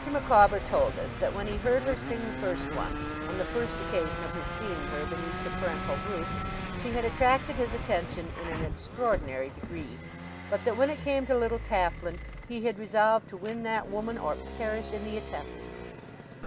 Micawber told us, that when he heard her sing the first one, on the first occasion of his seeing her beneath the parental roof, she had attracted his attention in an extraordinary degree; but that when it came to Little Tafflin, he had resolved to win that woman or perish in the attempt.